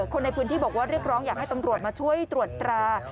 คนในพื้นที่บอกว่าเรียกร้องอยากให้ตำรวจมาช่วยตรวจตรา